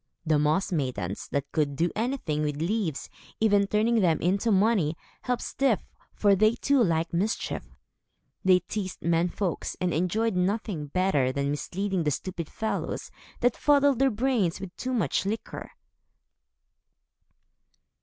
The Moss Maidens, that could do anything with leaves, even turning them into money, helped Styf, for they too liked mischief. They teased men folks, and enjoyed nothing better than misleading the stupid fellows that fuddled their brains with too much liquor.